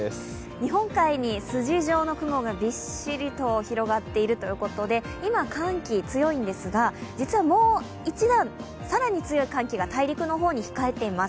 日本海に筋状の雲がびっしりと広がっているということで今、寒気が強いんですが、実はもう一段、さらに強い寒気が大陸の方に控えています。